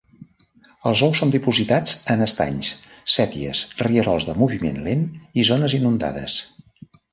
Els ous són dipositats en estanys, séquies, rierols de moviment lent i zones inundades.